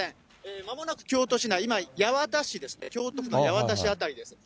まもなく京都市内、今、八幡市ですね、京都府の八幡市辺りです。